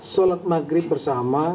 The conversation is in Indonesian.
sholat maghrib bersama